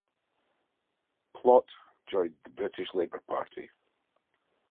Plaut joined the British Labour Party.